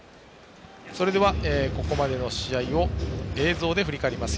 それでは、ここまでの試合を映像で振り返ります。